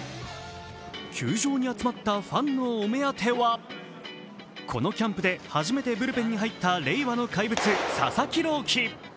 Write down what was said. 球場に集まったファンのお目当てはこのキャンプで初めてブルペンに入った令和の怪物・佐々木朗希。